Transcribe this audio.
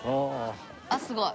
あっすごい。